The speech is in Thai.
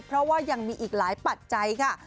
เพราะว่ายังมีอีกหลายปัจจัยค่ะ